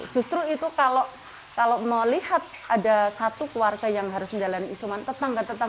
jangan hanya suruh isuman sekarang